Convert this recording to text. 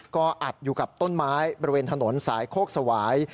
ก็อัดอยู่กับต้นไม้บริเวณถนนสายโคกสวาย